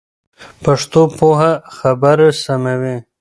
پښتو پوهه خبري سموي.